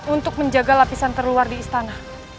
untuk menjaga lapisan terluar di istana